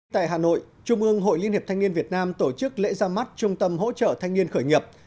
tại hà nội trung ương hội liên hiệp thanh niên việt nam tổ chức lễ ra mắt trung tâm hỗ trợ thanh niên khởi nghiệp